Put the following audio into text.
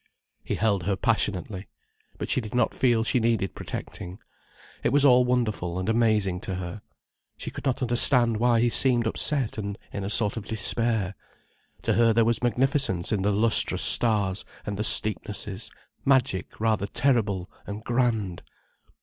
He held her passionately. But she did not feel she needed protecting. It was all wonderful and amazing to her. She could not understand why he seemed upset and in a sort of despair. To her there was magnificence in the lustrous stars and the steepnesses, magic, rather terrible and grand.